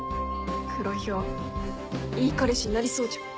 黒ヒョウいい彼氏になりそうじゃん。